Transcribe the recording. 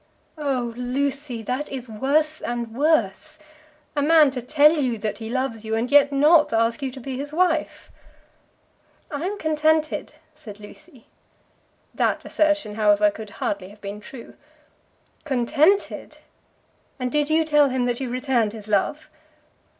"Oh, Lucy; that is worse and worse. A man to tell you that he loves you, and yet not ask you to be his wife!" "I am contented," said Lucy. That assertion, however, could hardly have been true. "Contented! And did you tell him that you returned his love?"